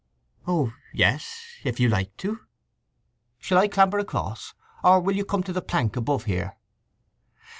"Oh yes; if you like to." "Shall I clamber across, or will you come to the plank above here?"